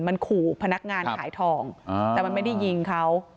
มันขู่พนักงานขายทองแต่มันไม่ได้ยิงเขา